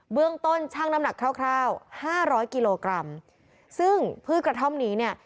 เรื่องต้นช่างน้ำหนักคร่าวคร่าวห้าร้อยกิโลกรัมซึ่งพืชกระท่อมนี้เนี่ย